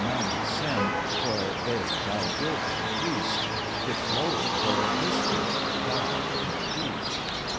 man of sin, for they thy guilt increase; It bloweth where it listeth; die in peace.'